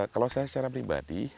kalau saya secara pribadi